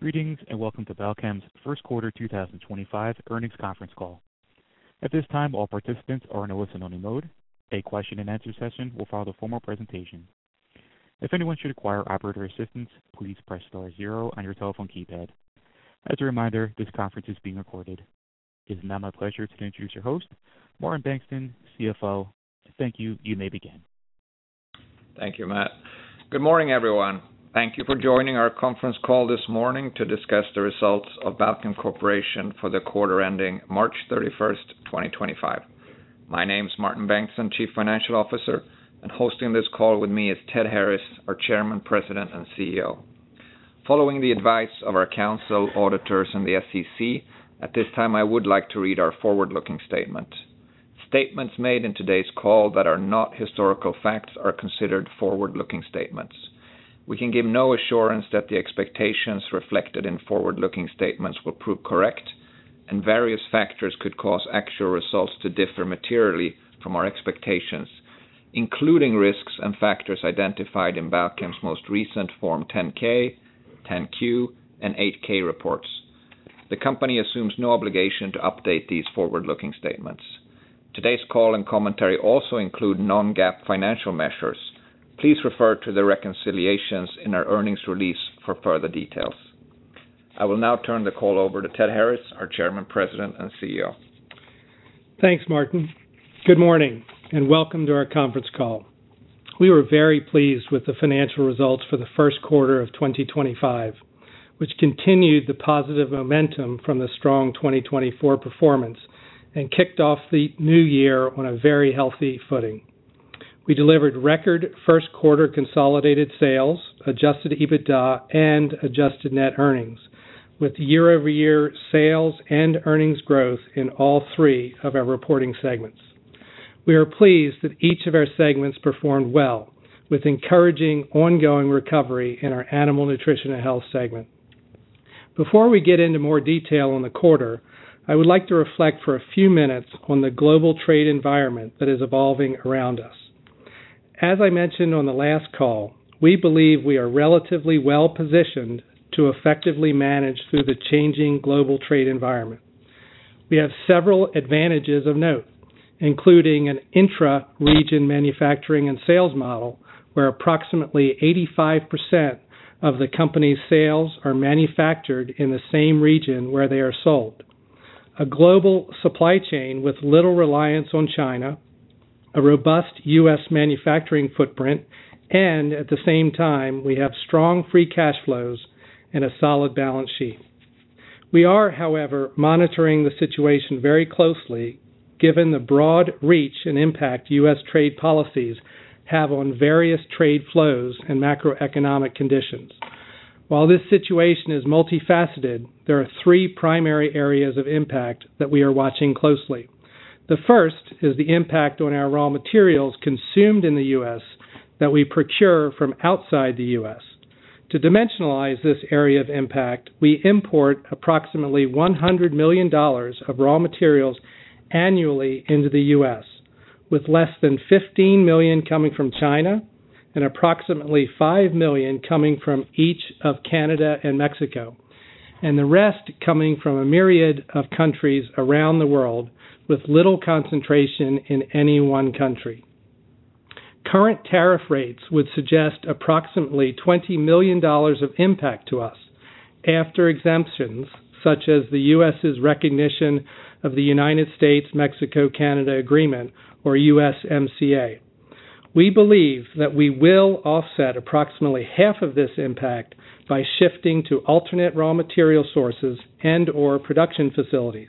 Greetings and welcome to Balchem's first quarter 2025 earnings conference call. At this time, all participants are in a listen-only mode. A question-and-answer session will follow the formal presentation. If anyone should require operator assistance, please press star zero on your telephone keypad. As a reminder, this conference is being recorded. It is now my pleasure to introduce your host, Martin Bengtsson, CFO. Thank you. You may begin. Thank you, Matt. Good morning, everyone. Thank you for joining our conference call this morning to discuss the results of Balchem Corporation for the quarter ending March 31st, 2025. My name's Martin Bengtsson, Chief Financial Officer, and hosting this call with me is Ted Harris, our Chairman, President, and CEO. Following the advice of our counsel, auditors, and the SEC, at this time, I would like to read our forward-looking statement. Statements made in today's call that are not historical facts are considered forward-looking statements. We can give no assurance that the expectations reflected in forward-looking statements will prove correct, and various factors could cause actual results to differ materially from our expectations, including risks and factors identified in Balchem's most recent Form 10-K, 10-Q, and 8-K reports. The company assumes no obligation to update these forward-looking statements. Today's call and commentary also include non-GAAP financial measures. Please refer to the reconciliations in our earnings release for further details. I will now turn the call over to Ted Harris, our Chairman, President, and CEO. Thanks, Martin. Good morning and welcome to our conference call. We were very pleased with the financial results for the first quarter of 2025, which continued the positive momentum from the strong 2024 performance and kicked off the new year on a very healthy footing. We delivered record first quarter consolidated sales, adjusted EBITDA, and adjusted net earnings, with year-over-year sales and earnings growth in all three of our reporting segments. We are pleased that each of our segments performed well, with encouraging ongoing recovery in our Animal Nutrition and Health segment. Before we get into more detail on the quarter, I would like to reflect for a few minutes on the global trade environment that is evolving around us. As I mentioned on the last call, we believe we are relatively well positioned to effectively manage through the changing global trade environment. We have several advantages of note, including an intra-region manufacturing and sales model where approximately 85% of the company's sales are manufactured in the same region where they are sold, a global supply chain with little reliance on China, a robust U.S. manufacturing footprint, and at the same time, we have strong free cash flows and a solid balance sheet. We are, however, monitoring the situation very closely given the broad reach and impact U.S. trade policies have on various trade flows and macroeconomic conditions. While this situation is multifaceted, there are three primary areas of impact that we are watching closely. The first is the impact on our raw materials consumed in the U.S. that we procure from outside the U.S. To dimensionalize this area of impact, we import approximately $100 million of raw materials annually into the U.S., with less than $15 million coming from China and approximately $5 million coming from each of Canada and Mexico, and the rest coming from a myriad of countries around the world with little concentration in any one country. Current tariff rates would suggest approximately $20 million of impact to us after exemptions such as the U.S.'s recognition of the United States-Mexico-Canada Agreement or USMCA. We believe that we will offset approximately half of this impact by shifting to alternate raw material sources and/or production facilities,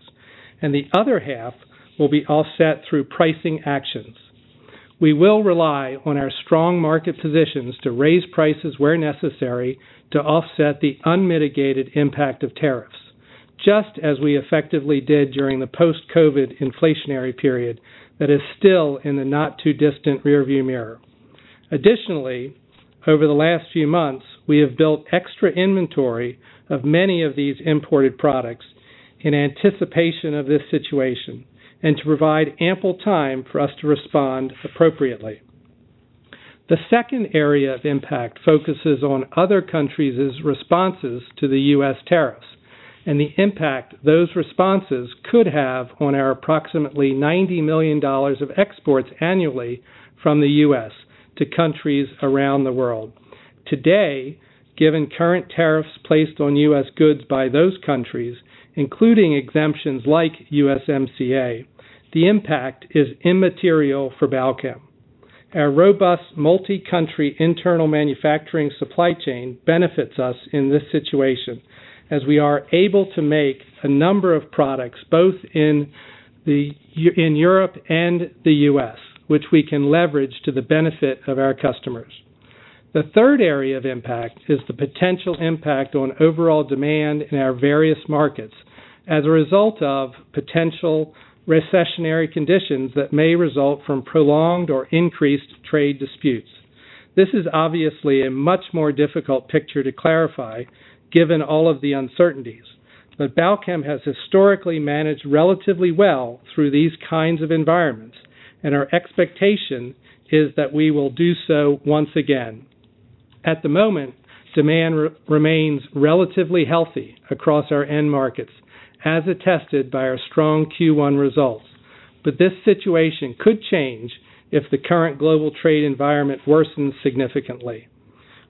and the other half will be offset through pricing actions. We will rely on our strong market positions to raise prices where necessary to offset the unmitigated impact of tariffs, just as we effectively did during the post-COVID inflationary period that is still in the not-too-distant rearview mirror. Additionally, over the last few months, we have built extra inventory of many of these imported products in anticipation of this situation and to provide ample time for us to respond appropriately. The second area of impact focuses on other countries' responses to the U.S. tariffs and the impact those responses could have on our approximately $90 million of exports annually from the U.S. to countries around the world. Today, given current tariffs placed on U.S. goods by those countries, including exemptions like USMCA, the impact is immaterial for Balchem. Our robust multi-country internal manufacturing supply chain benefits us in this situation as we are able to make a number of products both in Europe and the U.S., which we can leverage to the benefit of our customers. The third area of impact is the potential impact on overall demand in our various markets as a result of potential recessionary conditions that may result from prolonged or increased trade disputes. This is obviously a much more difficult picture to clarify given all of the uncertainties, but Balchem has historically managed relatively well through these kinds of environments, and our expectation is that we will do so once again. At the moment, demand remains relatively healthy across our end markets, as attested by our strong Q1 results, but this situation could change if the current global trade environment worsens significantly.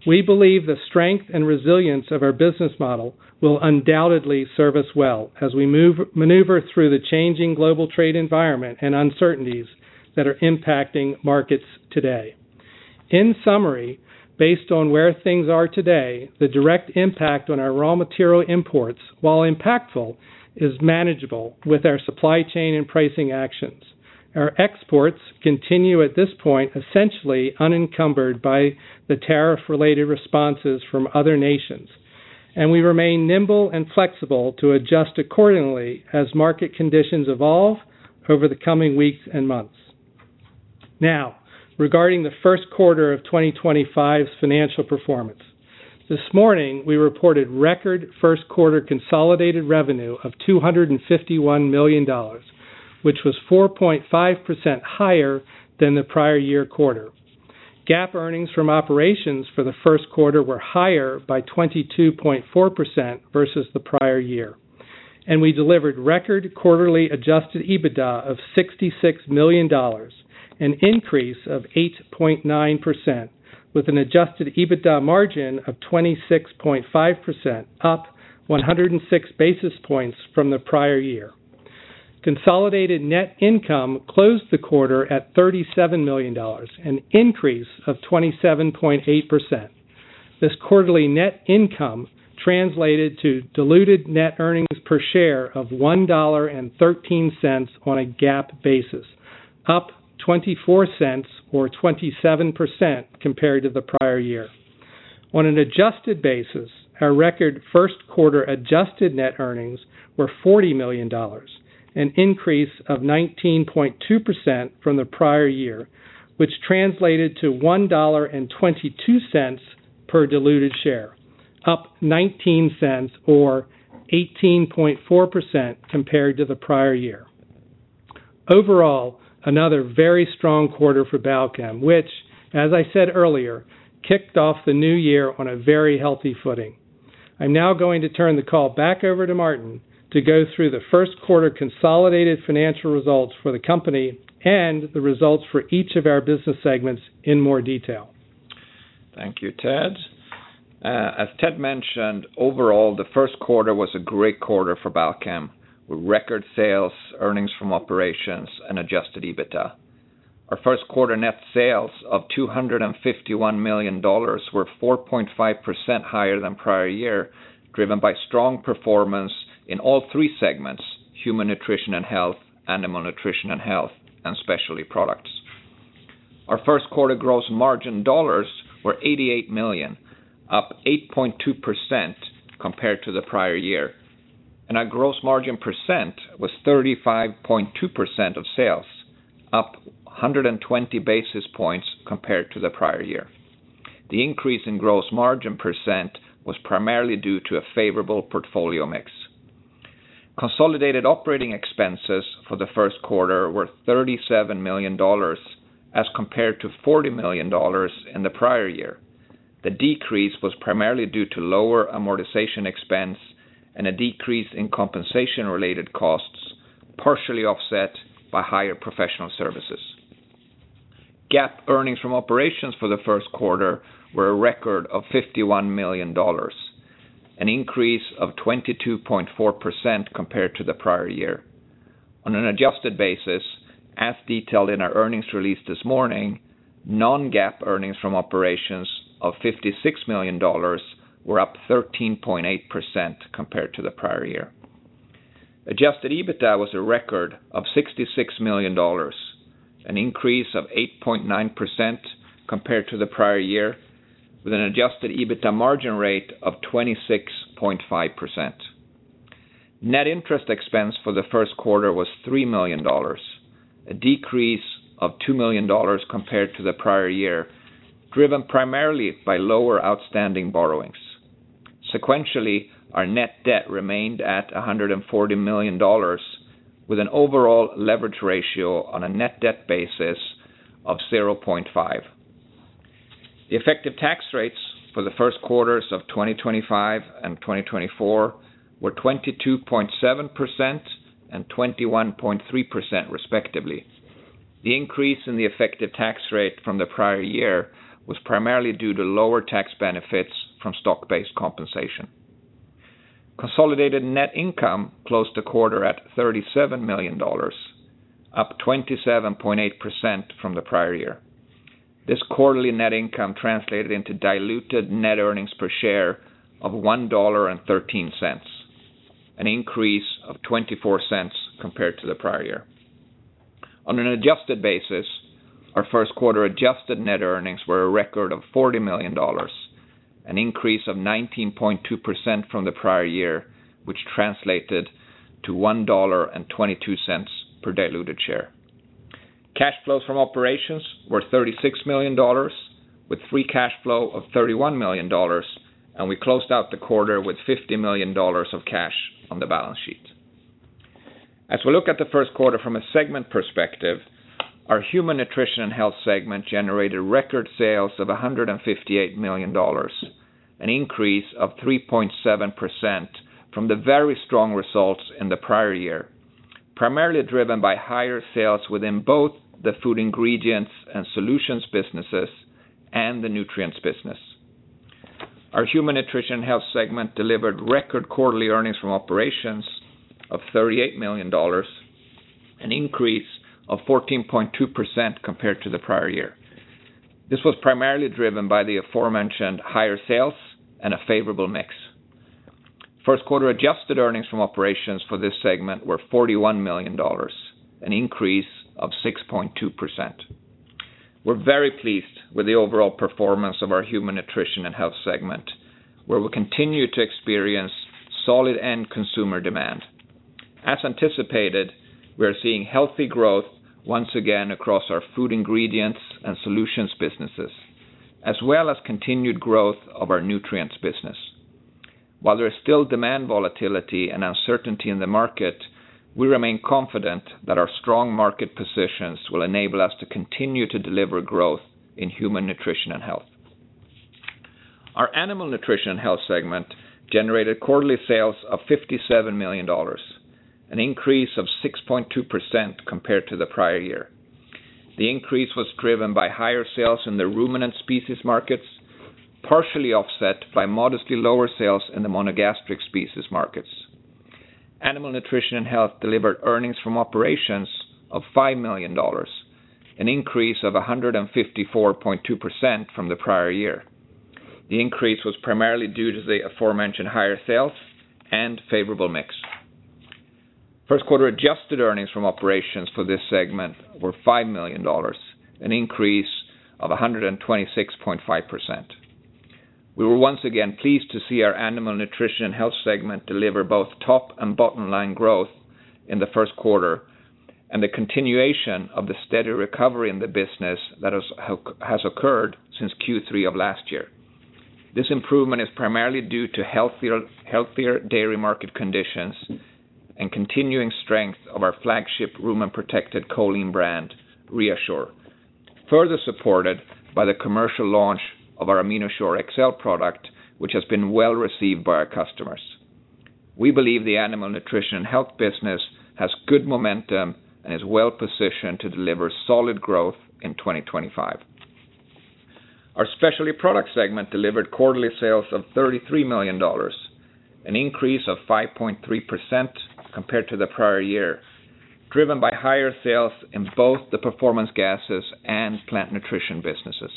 We believe the strength and resilience of our business model will undoubtedly serve us well as we maneuver through the changing global trade environment and uncertainties that are impacting markets today. In summary, based on where things are today, the direct impact on our raw material imports, while impactful, is manageable with our supply chain and pricing actions. Our exports continue at this point essentially unencumbered by the tariff-related responses from other nations, and we remain nimble and flexible to adjust accordingly as market conditions evolve over the coming weeks and months. Now, regarding the first quarter of 2025's financial performance, this morning we reported record first quarter consolidated revenue of $251 million, which was 4.5% higher than the prior year quarter. GAAP earnings from operations for the first quarter were higher by 22.4% versus the prior year, and we delivered record quarterly adjusted EBITDA of $66 million, an increase of 8.9%, with an adjusted EBITDA margin of 26.5%, up 106 basis points from the prior year. Consolidated net income closed the quarter at $37 million, an increase of 27.8%. This quarterly net income translated to diluted net earnings per share of $1.13 on a GAAP basis, up $0.24 or 27% compared to the prior year. On an adjusted basis, our record first quarter adjusted net earnings were $40 million, an increase of 19.2% from the prior year, which translated to $1.22 per diluted share, up $0.19 or 18.4% compared to the prior year. Overall, another very strong quarter for Balchem, which, as I said earlier, kicked off the new year on a very healthy footing. I'm now going to turn the call back over to Martin to go through the first quarter consolidated financial results for the company and the results for each of our business segments in more detail. Thank you, Ted. As Ted mentioned, overall, the first quarter was a great quarter for Balchem, with record sales, earnings from operations, and adjusted EBITDA. Our first quarter net sales of $251 million were 4.5% higher than prior year, driven by strong performance in all three segments: Human Nutrition and Health, Animal Nutrition and Health, and Specialty Products. Our first quarter gross margin dollars were $88 million, up 8.2% compared to the prior year, and our gross margin percent was 35.2% of sales, up 120 basis points compared to the prior year. The increase in gross margin percent was primarily due to a favorable portfolio mix. Consolidated operating expenses for the first quarter were $37 million as compared to $40 million in the prior year. The decrease was primarily due to lower amortization expense and a decrease in compensation-related costs, partially offset by higher professional services. GAAP earnings from operations for the first quarter were a record of $51 million, an increase of 22.4% compared to the prior year. On an adjusted basis, as detailed in our earnings release this morning, non-GAAP earnings from operations of $56 million were up 13.8% compared to the prior year. Adjusted EBITDA was a record of $66 million, an increase of 8.9% compared to the prior year, with an adjusted EBITDA margin rate of 26.5%. Net interest expense for the first quarter was $3 million, a decrease of $2 million compared to the prior year, driven primarily by lower outstanding borrowings. Sequentially, our net debt remained at $140 million, with an overall leverage ratio on a net debt basis of 0.5. The effective tax rates for the first quarters of 2025 and 2024 were 22.7% and 21.3%, respectively. The increase in the effective tax rate from the prior year was primarily due to lower tax benefits from stock-based compensation. Consolidated net income closed the quarter at $37 million, up 27.8% from the prior year. This quarterly net income translated into diluted net earnings per share of $1.13, an increase of $0.24 compared to the prior year. On an adjusted basis, our first quarter adjusted net earnings were a record of $40 million, an increase of 19.2% from the prior year, which translated to $1.22 per diluted share. Cash flows from operations were $36 million, with free cash flow of $31 million, and we closed out the quarter with $50 million of cash on the balance sheet. As we look at the first quarter from a segment perspective, our Human Nutrition and Health segment generated record sales of $158 million, an increase of 3.7% from the very strong results in the prior year, primarily driven by higher sales within both the Food Ingredients and Solutions businesses and the Nutrients business. Our Human Nutrition and Health segment delivered record quarterly earnings from operations of $38 million, an increase of 14.2% compared to the prior year. This was primarily driven by the aforementioned higher sales and a favorable mix. First quarter adjusted earnings from operations for this segment were $41 million, an increase of 6.2%. We're very pleased with the overall performance of our Human Nutrition and Health segment, where we continue to experience solid end consumer demand. As anticipated, we are seeing healthy growth once again across our Food Ingredients and Solutions businesses, as well as continued growth of our Nutrients business. While there is still demand volatility and uncertainty in the market, we remain confident that our strong market positions will enable us to continue to deliver growth in Human Nutrition and Health. Our Animal Nutrition and Health segment generated quarterly sales of $57 million, an increase of 6.2% compared to the prior year. The increase was driven by higher sales in the ruminant species markets, partially offset by modestly lower sales in the monogastric species markets. Animal Nutrition and Health delivered earnings from operations of $5 million, an increase of 154.2% from the prior year. The increase was primarily due to the aforementioned higher sales and favorable mix. First quarter adjusted earnings from operations for this segment were $5 million, an increase of 126.5%. We were once again pleased to see our Animal Nutrition and Health segment deliver both top and bottom line growth in the first quarter and the continuation of the steady recovery in the business that has occurred since Q3 of last year. This improvement is primarily due to healthier dairy market conditions and continuing strength of our flagship ruminant protected choline brand, ReaShure, further supported by the commercial launch of our AminoShure-XM product, which has been well received by our customers. We believe the Animal Nutrition and Health business has good momentum and is well positioned to deliver solid growth in 2025. Our specialty product segment delivered quarterly sales of $33 million, an increase of 5.3% compared to the prior year, driven by higher sales in both the Performance Gases and Plant Nutrition businesses.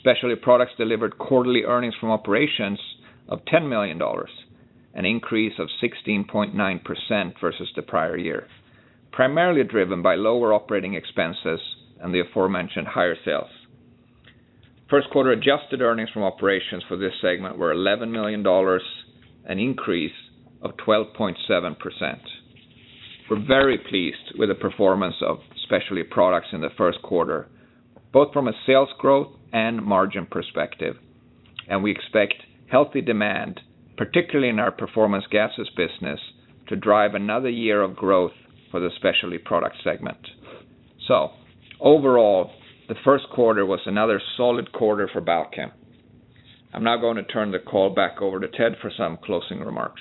Specialty Products delivered quarterly earnings from operations of $10 million, an increase of 16.9% versus the prior year, primarily driven by lower operating expenses and the aforementioned higher sales. First quarter adjusted earnings from operations for this segment were $11 million, an increase of 12.7%. We are very pleased with the performance of Specialty Products in the first quarter, both from a sales growth and margin perspective, and we expect healthy demand, particularly in our Performance Gases business, to drive another year of growth for the specialty product segment. Overall, the first quarter was another solid quarter for Balchem. I am now going to turn the call back over to Ted for some closing remarks.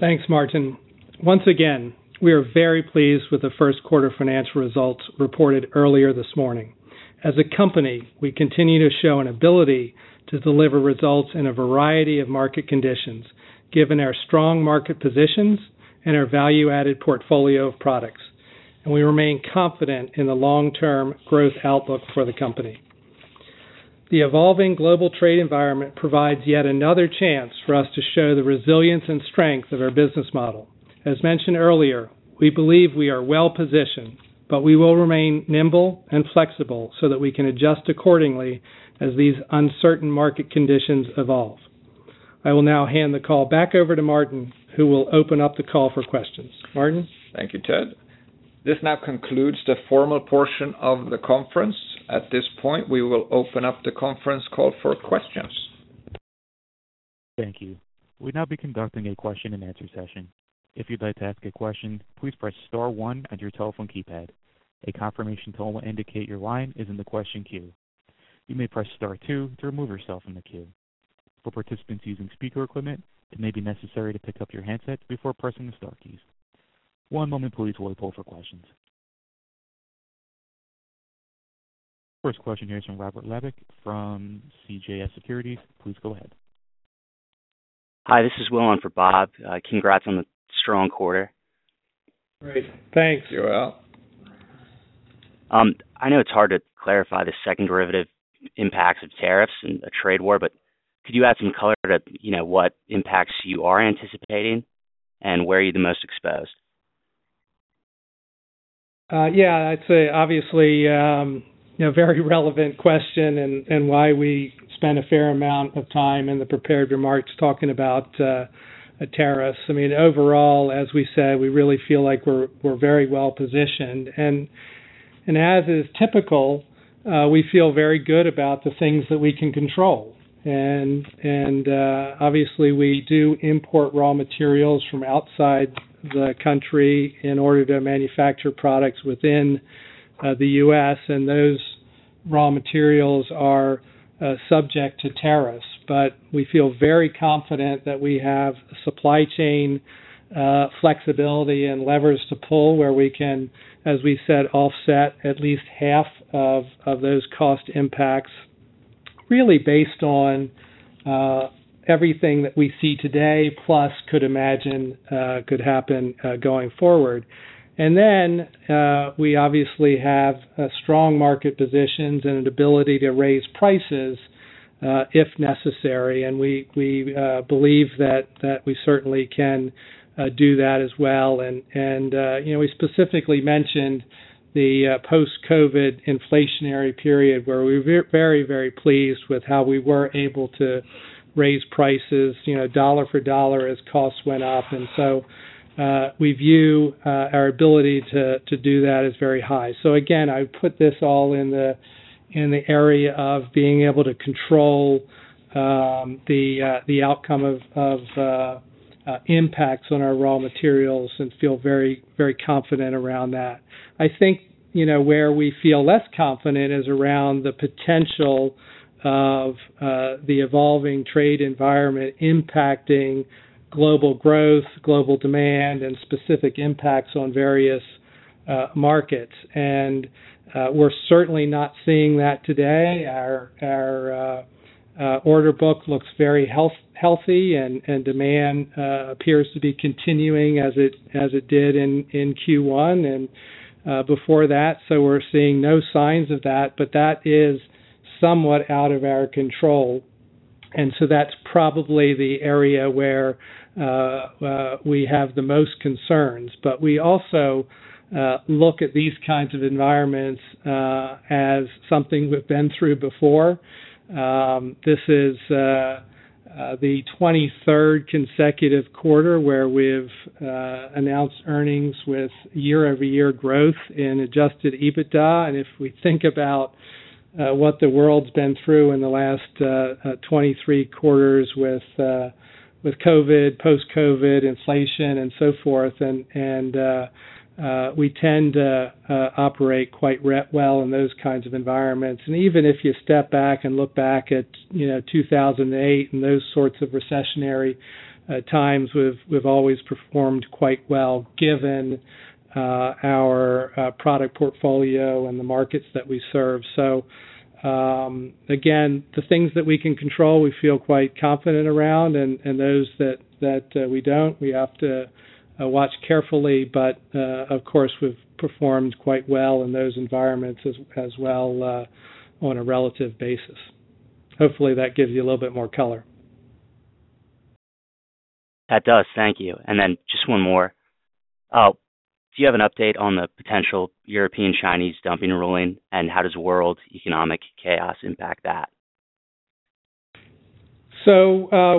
Thanks, Martin. Once again, we are very pleased with the first quarter financial results reported earlier this morning. As a company, we continue to show an ability to deliver results in a variety of market conditions, given our strong market positions and our value-added portfolio of products, and we remain confident in the long-term growth outlook for the company. The evolving global trade environment provides yet another chance for us to show the resilience and strength of our business model. As mentioned earlier, we believe we are well positioned, but we will remain nimble and flexible so that we can adjust accordingly as these uncertain market conditions evolve. I will now hand the call back over to Martin, who will open up the call for questions. Martin. Thank you, Ted. This now concludes the formal portion of the conference. At this point, we will open up the conference call for questions. Thank you. We'll now be conducting a question-and-answer session. If you'd like to ask a question, please press Star 1 on your telephone keypad. A confirmation tone will indicate your line is in the question queue. You may press Star 2 to remove yourself from the queue. For participants using speaker equipment, it may be necessary to pick up your handset before pressing the Star keys. One moment, please, while we pull up for questions. First question here is from Robert Labick from CJS Securities. Please go ahead. Hi, this is Willen for Bob. Congrats on the strong quarter. Great. Thanks, Joel. I know it's hard to clarify the second derivative impacts of tariffs and the trade war, but could you add some color to what impacts you are anticipating and where you're the most exposed? Yeah, I'd say obviously a very relevant question and why we spend a fair amount of time in the prepared remarks talking about tariffs. I mean, overall, as we said, we really feel like we're very well positioned. As is typical, we feel very good about the things that we can control. Obviously, we do import raw materials from outside the country in order to manufacture products within the U.S., and those raw materials are subject to tariffs. We feel very confident that we have supply chain flexibility and levers to pull where we can, as we said, offset at least half of those cost impacts, really based on everything that we see today, plus could imagine could happen going forward. We obviously have strong market positions and an ability to raise prices if necessary. We believe that we certainly can do that as well. We specifically mentioned the post-COVID inflationary period where we were very, very pleased with how we were able to raise prices, dollar for dollar, as costs went up. We view our ability to do that as very high. I put this all in the area of being able to control the outcome of impacts on our raw materials and feel very, very confident around that. I think where we feel less confident is around the potential of the evolving trade environment impacting global growth, global demand, and specific impacts on various markets. We are certainly not seeing that today. Our order book looks very healthy, and demand appears to be continuing as it did in Q1 and before that. We are seeing no signs of that, but that is somewhat out of our control. That is probably the area where we have the most concerns. We also look at these kinds of environments as something we have been through before. This is the 23rd consecutive quarter where we have announced earnings with year-over-year growth in adjusted EBITDA. If we think about what the world has been through in the last 23 quarters with COVID, post-COVID inflation, and so forth, we tend to operate quite well in those kinds of environments. Even if you step back and look back at 2008 and those sorts of recessionary times, we have always performed quite well given our product portfolio and the markets that we serve. The things that we can control, we feel quite confident around, and those that we do not, we have to watch carefully. Of course, we have performed quite well in those environments as well on a relative basis. Hopefully, that gives you a little bit more color. That does. Thank you. Just one more. Do you have an update on the potential European-Chinese dumping ruling, and how does world economic chaos impact that?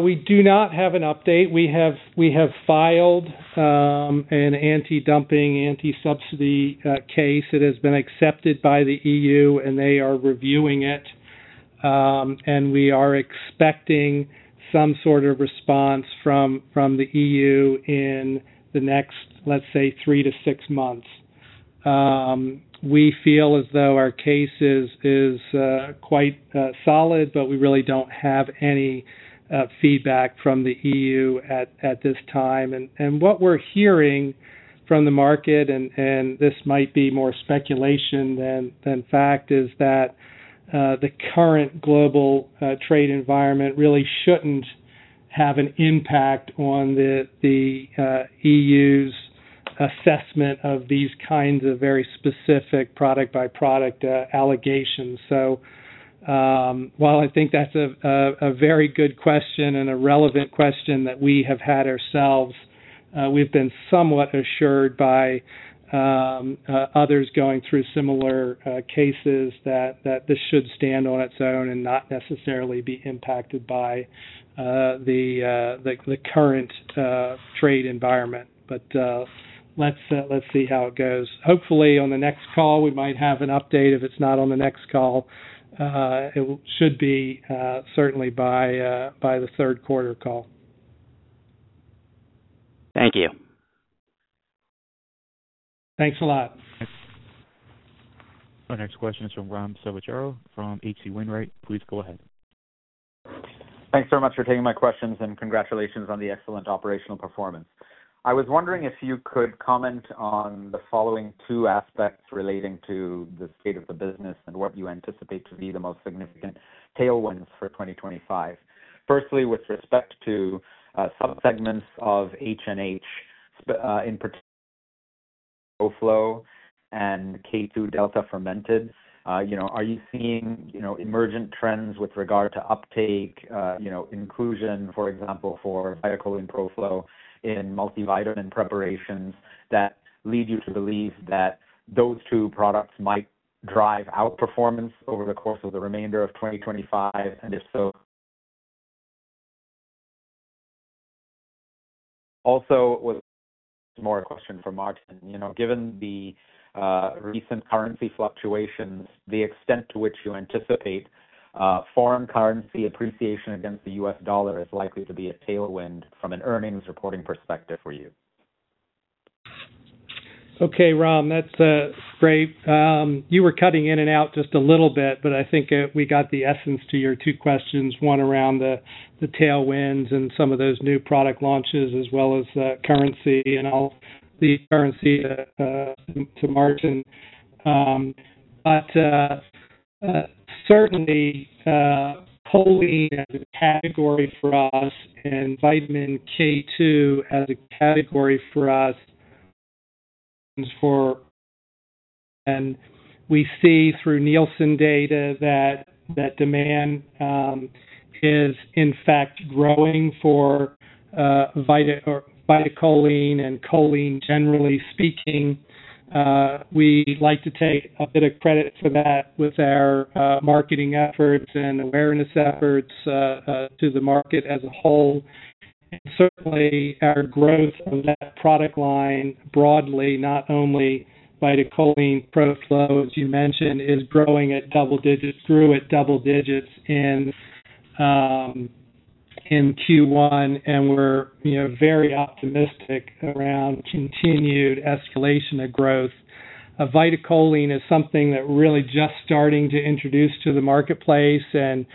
We do not have an update. We have filed an anti-dumping, anti-subsidy case. It has been accepted by the EU, and they are reviewing it. We are expecting some sort of response from the EU in the next, let's say, three to six months. We feel as though our case is quite solid, but we really don't have any feedback from the EU at this time. What we're hearing from the market, and this might be more speculation than fact, is that the current global trade environment really shouldn't have an impact on the EU's assessment of these kinds of very specific product-by-product allegations. While I think that's a very good question and a relevant question that we have had ourselves, we've been somewhat assured by others going through similar cases that this should stand on its own and not necessarily be impacted by the current trade environment. Let's see how it goes. Hopefully, on the next call, we might have an update. If it's not on the next call, it should be certainly by the third quarter call. Thank you. Thanks a lot. Thanks. Our next question is from Robin Soichero from H.C. Wainwright. Please go ahead. Thanks so much for taking my questions, and congratulations on the excellent operational performance. I was wondering if you could comment on the following two aspects relating to the state of the business and what you anticipate to be the most significant tailwinds for 2025. Firstly, with respect to subsegments of H&H, in particular, ProFlow and K2 Delta Fermented, are you seeing emergent trends with regard to uptake, inclusion, for example, for VitaCholine ProFlow in multivitamin preparations that lead you to believe that those two products might drive outperformance over the course of the remainder of 2025? If so, also more a question for Martin. Given the recent currency fluctuations, the extent to which you anticipate foreign currency appreciation against the U.S. dollar is likely to be a tailwind from an earnings reporting perspective for you. Okay, Robin, that's great. You were cutting in and out just a little bit, but I think we got the essence to your two questions, one around the tailwinds and some of those new product launches as well as currency and the currency to margin. Certainly, choline as a category for us and vitamin K2 as a category for us, and we see through Nielsen data that demand is, in fact, growing for VitaCholine and choline, generally speaking. We like to take a bit of credit for that with our marketing efforts and awareness efforts to the market as a whole. Certainly, our growth on that product line broadly, not only VitaCholine ProFlow, as you mentioned, is growing at double digits, grew at double digits in Q1, and we're very optimistic around continued escalation of growth. VitaCholine is something that we're really just starting to introduce to the marketplace, and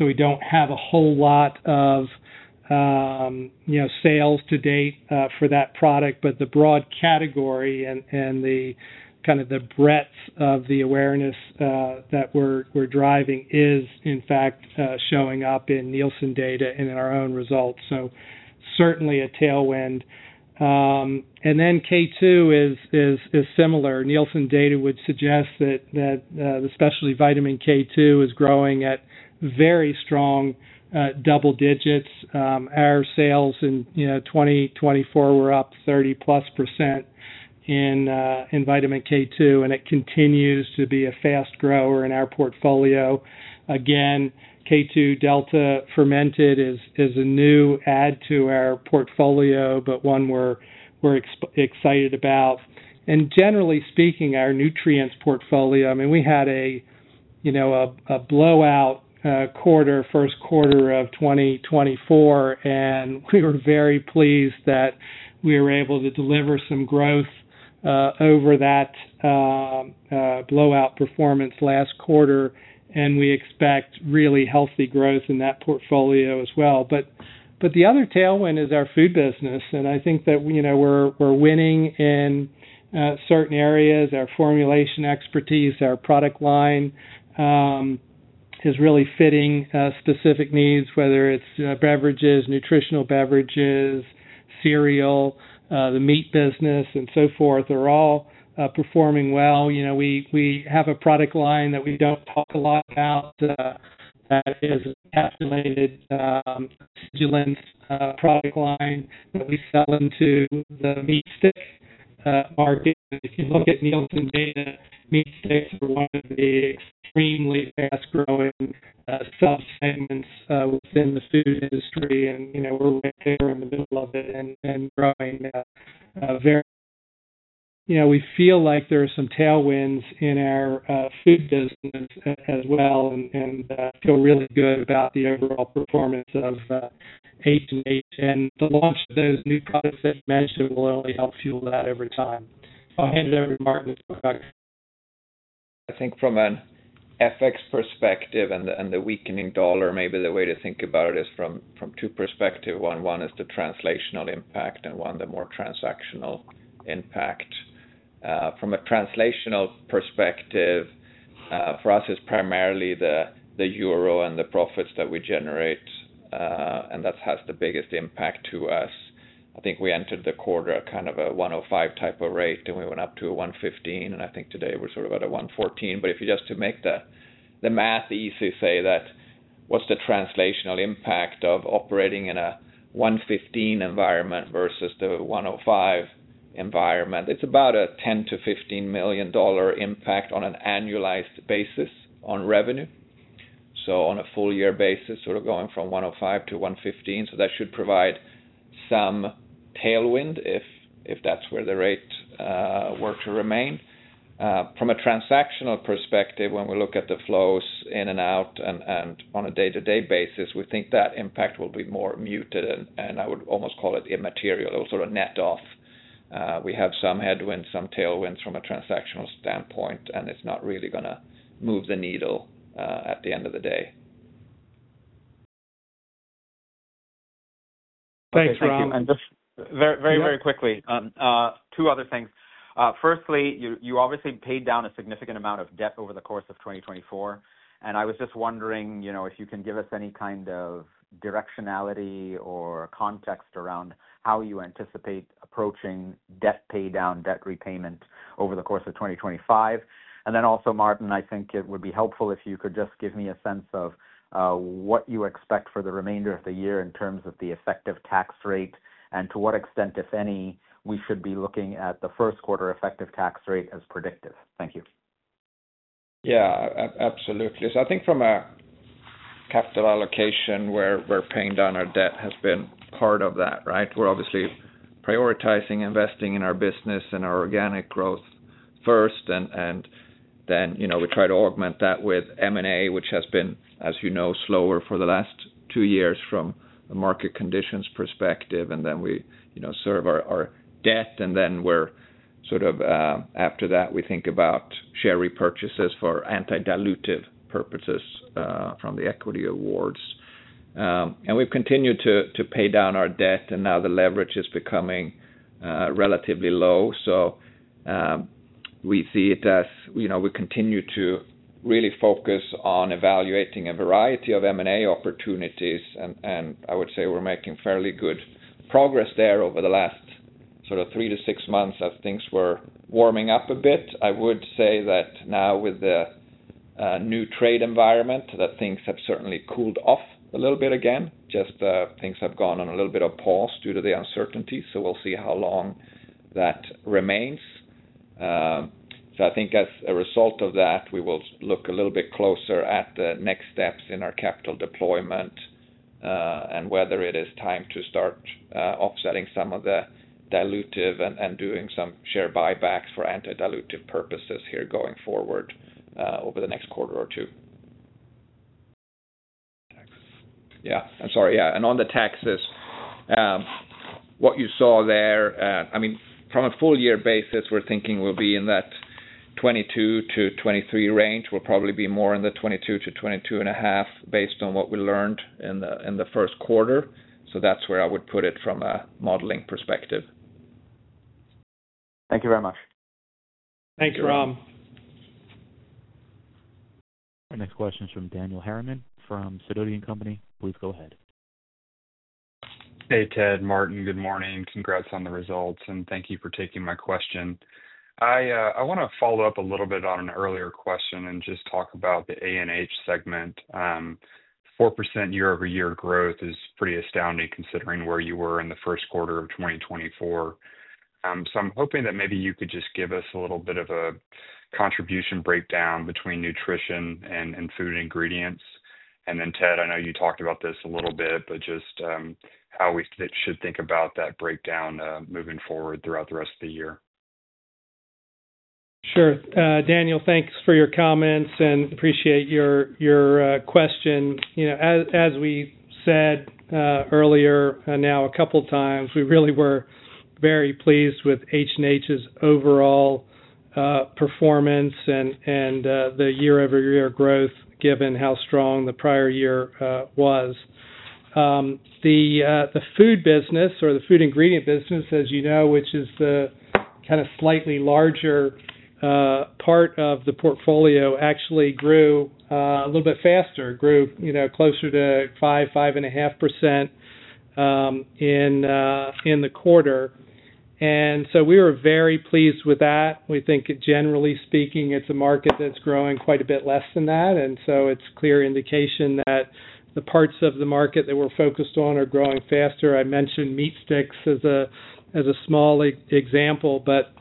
we don't have a whole lot of sales to date for that product. The broad category and the kind of the breadth of the awareness that we're driving is, in fact, showing up in Nielsen data and in our own results. Certainly a tailwind. K2 is similar. Nielsen data would suggest that especially vitamin K2 is growing at very strong double digits. Our sales in 2024 were up 30-plus % in vitamin K2, and it continues to be a fast grower in our portfolio. Again, K2 Delta Fermented is a new add to our portfolio, but one we're excited about. Generally speaking, our Nutrients portfolio, I mean, we had a blowout quarter, first quarter of 2024, and we were very pleased that we were able to deliver some growth over that blowout performance last quarter. We expect really healthy growth in that portfolio as well. The other tailwind is our food business. I think that we're winning in certain areas. Our formulation expertise, our product line is really fitting specific needs, whether it's beverages, nutritional beverages, cereal, the meat business, and so forth. They're all performing well. We have a product line that we do not talk a lot about that is encapsulated stimulant product line that we sell into the meat stick market. If you look at Nielsen data, meat sticks are one of the extremely fast-growing subsegments within the food industry, and we're right there in the middle of it and growing very. We feel like there are some tailwinds in our food business as well and feel really good about the overall performance of H&H. The launch of those new products that you mentioned will only help fuel that every time. I'll hand it over to Martin to talk about. I think from an FX perspective and the weakening dollar, maybe the way to think about it is from two perspectives. One is the translational impact and one the more transactional impact. From a translational perspective, for us, it's primarily the euro and the profits that we generate, and that has the biggest impact to us. I think we entered the quarter at kind of a 1.05 type of rate, and we went up to a 1.15, and I think today we're sort of at a 1.14. If you just to make the math easy, say that what's the translational impact of operating in a 1.15 environment versus the 1.05 environment? It's about a $10 million-$15 million impact on an annualized basis on revenue. On a full year basis, sort of going from 1.05-1.15. That should provide some tailwind if that's where the rate were to remain. From a transactional perspective, when we look at the flows in and out and on a day-to-day basis, we think that impact will be more muted, and I would almost call it immaterial, sort of net off. We have some headwinds, some tailwinds from a transactional standpoint, and it's not really going to move the needle at the end of the day. Thanks, Robin. Thank you, man. Just very, very quickly, two other things. Firstly, you obviously paid down a significant amount of debt over the course of 2024. I was just wondering if you can give us any kind of directionality or context around how you anticipate approaching debt paydown, debt repayment over the course of 2025. Also, Martin, I think it would be helpful if you could just give me a sense of what you expect for the remainder of the year in terms of the effective tax rate and to what extent, if any, we should be looking at the first quarter effective tax rate as predictive. Thank you. Yeah, absolutely. I think from a capital allocation, we're paying down our debt has been part of that, right? We're obviously prioritizing investing in our business and our organic growth first, and then we try to augment that with M&A, which has been, as you know, slower for the last two years from a market conditions perspective. We serve our debt, and then we're sort of after that, we think about share repurchases for antidilutive purposes from the equity awards. We've continued to pay down our debt, and now the leverage is becoming relatively low. We see it as we continue to really focus on evaluating a variety of M&A opportunities, and I would say we're making fairly good progress there over the last sort of three to six months as things were warming up a bit. I would say that now with the new trade environment, things have certainly cooled off a little bit again. Just things have gone on a little bit of pause due to the uncertainty, so we'll see how long that remains. I think as a result of that, we will look a little bit closer at the next steps in our capital deployment and whether it is time to start offsetting some of the dilutive and doing some share buybacks for antidilutive purposes here going forward over the next quarter or two. Thanks. Yeah. I'm sorry. Yeah. And on the taxes, what you saw there, I mean, from a full year basis, we're thinking we'll be in that 22%-23% range. We'll probably be more in the 22%-22.5% based on what we learned in the first quarter. So that's where I would put it from a modeling perspective. Thank you very much. Thanks, Robin. Our next question is from Daniel Harriman from Sidoti & Company. Please go ahead. Hey, Ted, Martin, good morning. Congrats on the results, and thank you for taking my question. I want to follow up a little bit on an earlier question and just talk about the A&H segment. 4% year-over-year growth is pretty astounding considering where you were in the first quarter of 2024. I am hoping that maybe you could just give us a little bit of a contribution breakdown between nutrition and food ingredients. Then, Ted, I know you talked about this a little bit, but just how we should think about that breakdown moving forward throughout the rest of the year. Sure. Daniel, thanks for your comments and appreciate your question. As we said earlier now a couple of times, we really were very pleased with H&H's overall performance and the year-over-year growth given how strong the prior year was. The food business or the food ingredient business, as you know, which is the kind of slightly larger part of the portfolio, actually grew a little bit faster, grew closer to 5-5.5% in the quarter. We were very pleased with that. We think, generally speaking, it's a market that's growing quite a bit less than that. It is a clear indication that the parts of the market that we're focused on are growing faster. I mentioned meat sticks as a small example, but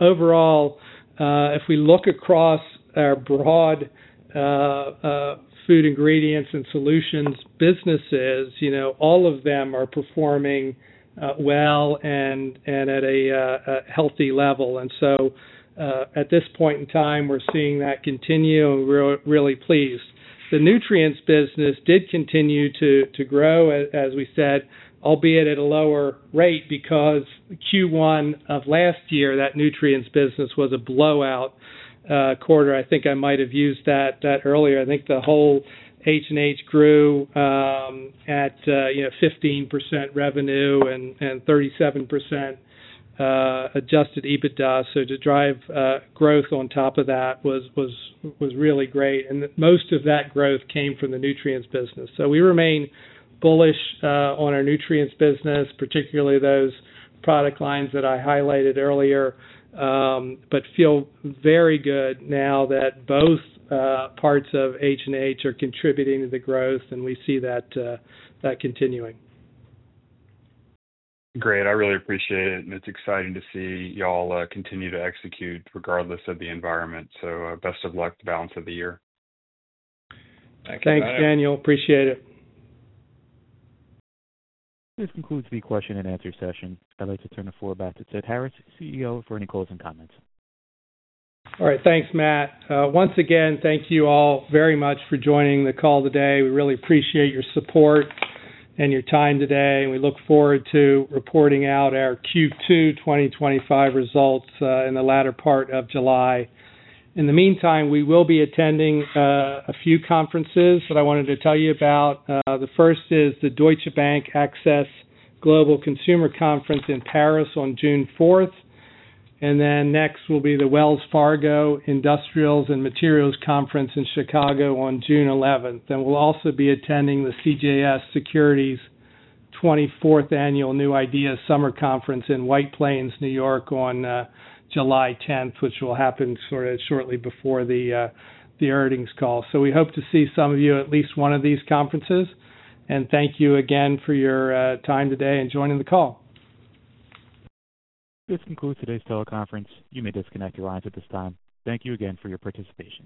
overall, if we look across our broad Food Ingredients and Solutions businesses, all of them are performing well and at a healthy level. At this point in time, we're seeing that continue, and we're really pleased. The Nutrients business did continue to grow, as we said, albeit at a lower rate because Q1 of last year, that Nutrients business was a blowout quarter. I think I might have used that earlier. I think the whole H&H grew at 15% revenue and 37% adjusted EBITDA. To drive growth on top of that was really great. Most of that growth came from the Nutrients business. We remain bullish on our Nutrients business, particularly those product lines that I highlighted earlier, but feel very good now that both parts of H&H are contributing to the growth, and we see that continuing. Great. I really appreciate it. It is exciting to see y'all continue to execute regardless of the environment. Best of luck to balance of the year. Thanks, Daniel. Appreciate it. This concludes the question and answer session. I'd like to turn the floor back to Ted Harris, CEO, for any closing comments. All right. Thanks, Matt. Once again, thank you all very much for joining the call today. We really appreciate your support and your time today. We look forward to reporting out our Q2 2025 results in the latter part of July. In the meantime, we will be attending a few conferences that I wanted to tell you about. The first is the Deutsche Bank Access Global Consumer Conference in Paris on June 4th. Next will be the Wells Fargo Industrials and Materials Conference in Chicago on June 11th. We will also be attending the CJS Securities 24th Annual New Ideas Summer Conference in White Plains, New York, on July 10th, which will happen sort of shortly before the earnings call. We hope to see some of you at least one of these conferences. Thank you again for your time today and joining the call. This concludes today's teleconference. You may disconnect your lines at this time. Thank you again for your participation.